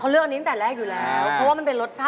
เห็นไหมครับ